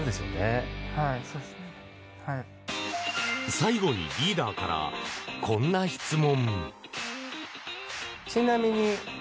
最後にリーダーからこんな質問。